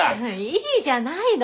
いいじゃないの。